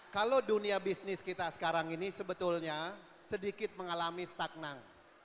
kalau dunia bisnis kita sekarang ini sebetulnya sedikit mengalami stagnan